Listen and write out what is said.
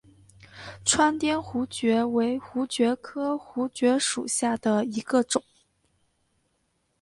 川滇槲蕨为槲蕨科槲蕨属下的一个种。